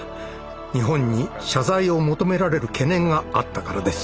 日本に謝罪を求められる懸念があったからです。